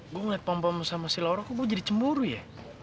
gue ngeliat pam pam sama si laura kok gue jadi cemburu ya